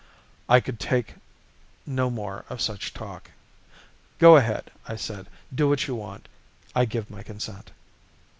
I could take no more of such talk. "Go ahead," I said, "do what you want. I give my consent."